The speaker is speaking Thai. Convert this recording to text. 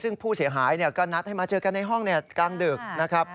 ซึ่งผู้เสียหายก็นัดให้มาเจอกันในห้องกลางดึกนะครับ